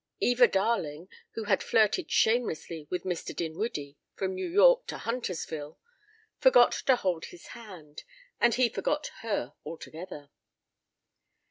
Eva Darling, who had flirted shamelessly with Mr. Dinwiddie from New York to Huntersville, forgot to hold his hand, and he forgot her altogether.